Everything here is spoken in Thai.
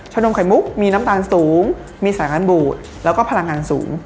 นมไข่มุกมีน้ำตาลสูงมีสายงานบูดแล้วก็พลังงานสูง